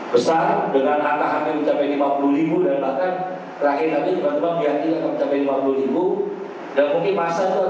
besar dengan atas hampir mencapai lima puluh ribu dan bahkan terakhir hari kita tiba tiba melihatnya akan mencapai lima puluh ribu